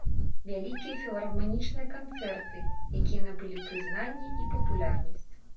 Вялікія філарманічныя канцэрты, якія набылі прызнанне і папулярнасць.